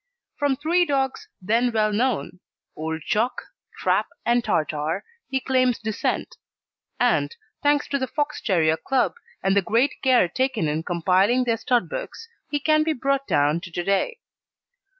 From three dogs then well known Old Jock, Trap, and Tartar he claims descent; and, thanks to the Fox terrier Club and the great care taken in compiling their stud books, he can be brought down to to day.